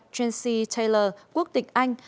trancy taylor quốc tịch anh